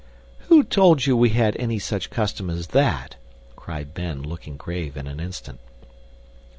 "Who told you we had any such custom as that?" cried Ben, looking grave in an instant.